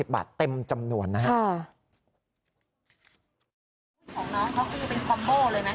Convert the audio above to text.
๖๘๓๐บาทเต็มจำนวนนะครับ